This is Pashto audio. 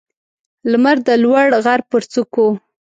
لمر د لوړ غر پر څوکو